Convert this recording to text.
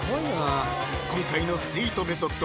今回のスイートメソッド